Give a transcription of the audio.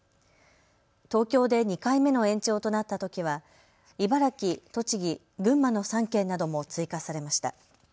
東京で２回目の延長となったときは茨城、栃木、群馬の３県なども追加されました。